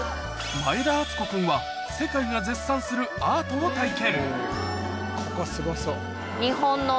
前田敦子君は世界が絶賛するアートを体験